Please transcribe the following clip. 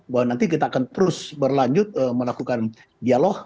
bahwa nanti kita akan terus berlanjut melakukan dialog